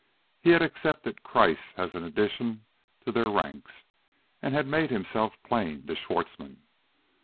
He had accepted Kreiss as an addition to their ranks and had made himself plain to Schwartzmann.